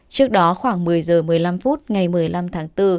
trước đó khoảng một mươi h một mươi năm phút ngày một mươi năm tháng bốn